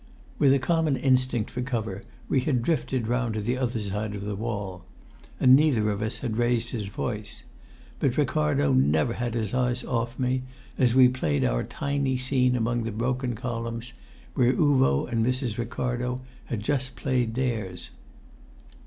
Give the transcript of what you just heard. With a common instinct for cover, we had drifted round to the other side of the wall. And neither of us had raised his voice. But Ricardo never had his eyes off me, as we played our tiny scene among the broken columns, where Uvo and Mrs. Ricardo had just played theirs.